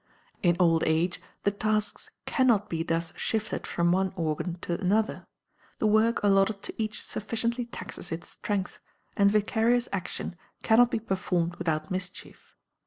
In old age, the tasks can not be thus shifted from one organ to another; the work allotted to each sufficiently taxes its strength, and vicarious action can not be performed without mischief.